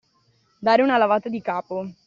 Dare una lavata di capo.